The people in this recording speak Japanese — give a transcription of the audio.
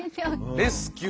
レスキュー？